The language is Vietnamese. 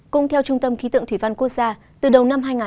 cùng theo trung tâm khí tượng thủy văn quốc gia